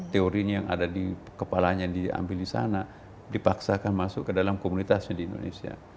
teorinya yang ada di kepalanya diambil di sana dipaksakan masuk ke dalam komunitasnya di indonesia